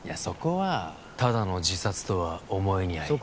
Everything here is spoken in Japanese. そこはただの自殺とは思えニャ